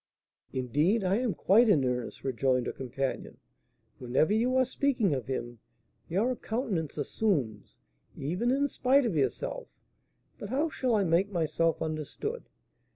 "Indeed, I am quite in earnest," rejoined her companion; "whenever you are speaking of him, your countenance assumes, even in spite of yourself, but how shall I make myself understood?"